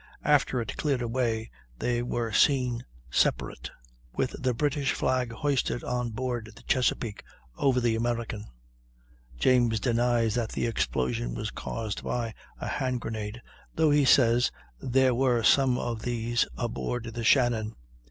After it cleared away they were seen separate, with the British flag hoisted on board the Chesapeake over the American." James denies that the explosion was caused by a hand grenade, though he says there were some of these aboard the Shannon.